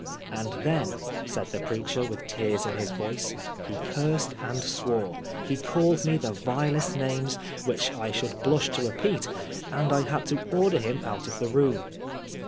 ''And then," said the preacher, with tears in his voice, '' he cursed and swore ; he called me the vilest names, which I should blush to repeat, and I had to order him out of the room."